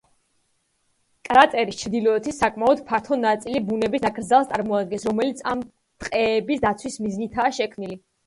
კრატერის ჩრდილოეთი, საკმაოდ ფართო ნაწილი ბუნების ნაკრძალს წარმოადგენს, რომელიც ამ ტყეების დაცვის მიზნითაა შექმნილი.